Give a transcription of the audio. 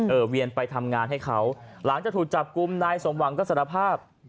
เวียนไปทำงานให้เขาหลังจากถูกจับกลุ่มนายสมหวังก็สารภาพ